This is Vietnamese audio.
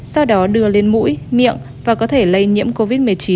sau đó đưa lên mũi miệng và có thể lây nhiễm covid một mươi chín